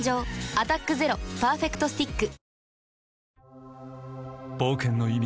「アタックＺＥＲＯパーフェクトスティック」